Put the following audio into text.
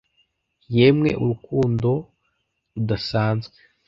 Yemwe urukundo rudasanzwe.